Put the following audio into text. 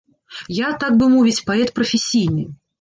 Я, так бы мовіць, паэт прафесійны.